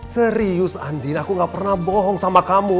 serius andin aku gak pernah bohong sama kamu